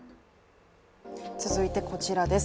続いてこちらです。